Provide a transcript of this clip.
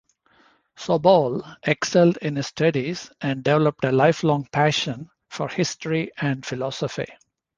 Soboul excelled in his studies and developed a lifelong passion for history and philosophy.